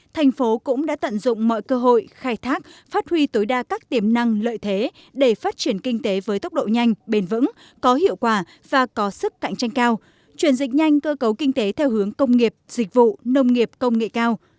thành phố cũng đã tận dụng mọi cơ hội khai thác phát huy tối đa các tiềm năng lợi thế để phát triển kinh tế với tốc độ nhanh bền vững có hiệu quả và có sức cạnh tranh cao chuyển dịch nhanh cơ cấu kinh tế theo hướng công nghiệp dịch vụ nông nghiệp công nghệ cao